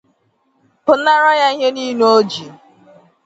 pụnara ya ihe niile o ji